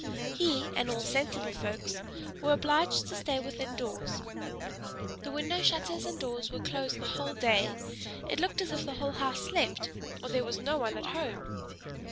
He, and all sensible folks, were obliged to stay within doors the window shutters and doors were closed the whole day; it looked as if the whole house slept, or there was no one at home.